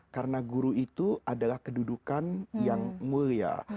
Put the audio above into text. karena guru itu adalah kedudukan yang mulia